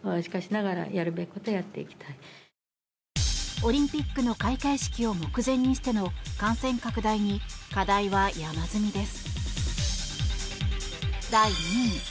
オリンピックの開会式を目前にしての感染拡大に課題は山積みです。